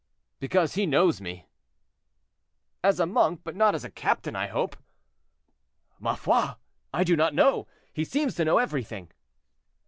"Because he knows me." "As a monk, but not as captain, I hope." "Ma foi! I do not know; he seems to know everything."